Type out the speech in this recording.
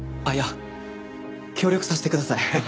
あっいや協力させてください。